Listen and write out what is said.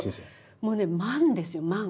もうね万ですよ万。